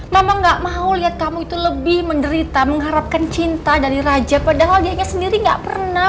mama nggak mau liat kamu itu lebih menderita mengharapkan cinta dari raja padahal dia sendiri nggak pernah